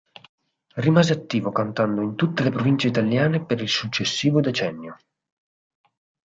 Rimase attivo cantando in tutte le province italiane per il successivo decennio.